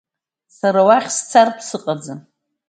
Сара уахь сцартә сыҟаӡам…